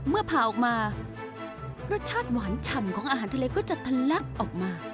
ผ่าออกมารสชาติหวานฉ่ำของอาหารทะเลก็จะทะลักออกมา